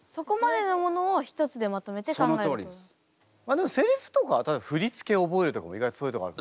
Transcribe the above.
でもセリフとか振り付け覚えるとかも意外とそういうとこある。